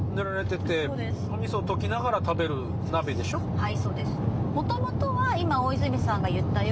はい。